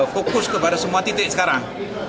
fokus kepada semua titik sekarang